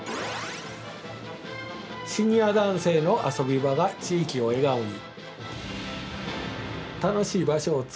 シニア男性の遊び場が地域を笑顔に。